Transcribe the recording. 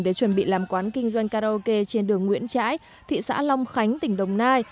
để chuẩn bị làm quán kinh doanh karaoke trên đường nguyễn trãi thị xã long khánh tỉnh đồng nai